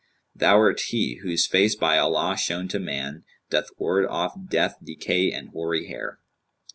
Thou'rt he, whose face, by Allah shown to man, * Doth ward off death, decay and hoary hair.'